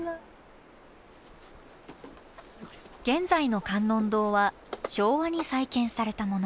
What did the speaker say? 現在の観音堂は昭和に再建されたもの。